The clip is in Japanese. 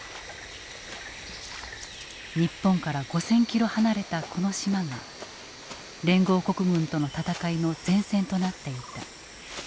日本から５，０００キロ離れたこの島が連合国軍との戦いの前線となっていた。